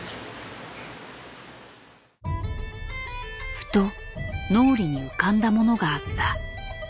ふと脳裏に浮かんだものがあった。